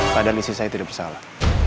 keadaan istri saya tidak bersalah